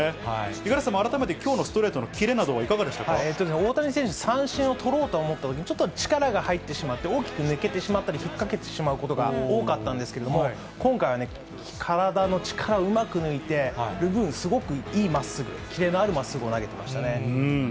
五十嵐さんも改めて、きょうのストレート、大谷選手、三振を取ろうと思ったときにちょっと力が入ってしまって、大きく抜けてしまったり、引っかけてしまうことが多かったんですけど、今回は体の力をうまく抜いて、すごくいいまっすぐ、切れのあるまっすぐのボールを投げてましたね。